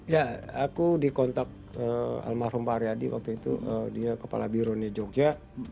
ya aku dikontak almarhum pak haryadi waktu itu dia kepala bironya jogja